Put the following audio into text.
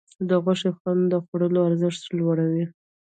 د غوښې خوند د خوړو ارزښت لوړوي.